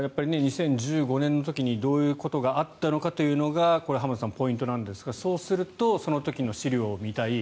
２０１５年の時にどういうことがあったのかというのが浜田さん、ポイントですがそうするとその時の資料を見たい